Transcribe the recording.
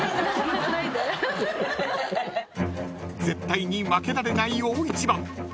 ［絶対に負けられない大一番］